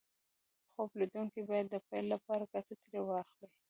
خوب ليدونکي بايد د پيل لپاره ګټه ترې واخلي.